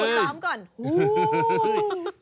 ผมซ้อมก่อนโอ้โห